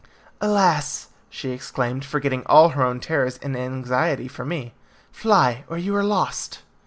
"Alas!" she exclaimed, forgetting all her own terrors in anxiety for me, "fly, or you are lost."